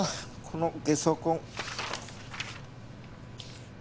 このゲソ痕。